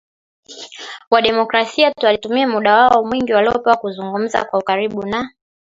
Wa demokrasia twalitumia muda wao mwingi waliopewa kuzungumza kwa ukaribu na